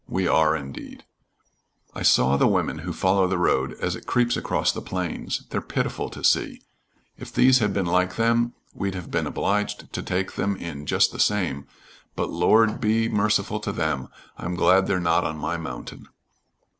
"We are, indeed." "I saw the women who follow the road as it creeps across the plains. They're pitiful to see. If these had been like them, we'd have been obliged to take them in just the same, but Lord be merciful to them, I'm glad they're not on my mountain."